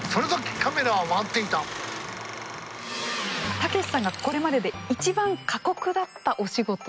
たけしさんがこれまでで一番過酷だったお仕事って何ですか？